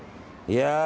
いや。